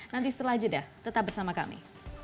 nanti setelah jeda tetap bersama kami